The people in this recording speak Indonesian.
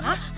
eh yang ini